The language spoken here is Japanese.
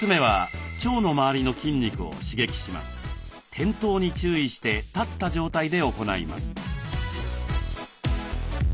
転倒に注意して立った状態で行います。